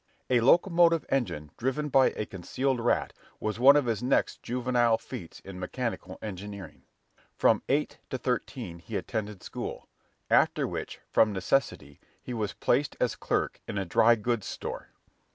A locomotive engine driven by a concealed rat was one of his next juvenile feats in mechanical engineering. From eight to thirteen he attended school; after which, from necessity, he was placed as clerk in a dry goods store.